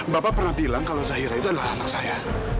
bapak pernah bilang kalau zahira itu adalah anak saya